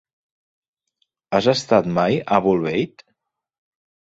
Has estat mai a Bolbait?